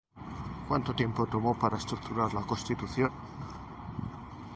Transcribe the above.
¿Cuánto tiempo tomó para estructurar la Constitución?